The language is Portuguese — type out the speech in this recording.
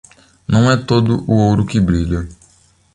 Não é todo o ouro que brilha.